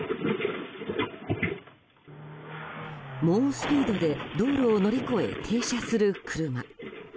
猛スピードで道路を乗り越え停車する車。